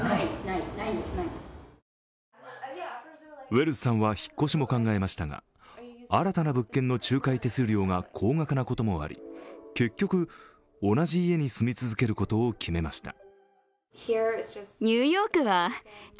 ウェルズさんは引っ越しも考えましたが新たな物件の仲介手数料が高額なこともあり結局、同じ家に住み続けることを決めました。